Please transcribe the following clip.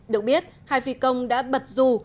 được biết hai phi công đã bật rù